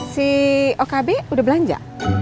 si okb udah belanja